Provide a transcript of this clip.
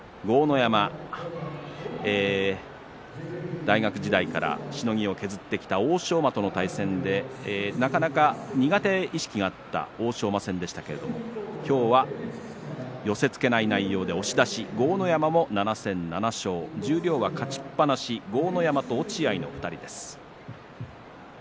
山、大学時代からしのぎを削ってきた欧勝馬との対戦で苦手意識があった欧勝馬ですが今日は寄せつけない内容で押し出し豪ノ山も７戦７勝勝ちっぱなしは豪ノ山と落合の２人です。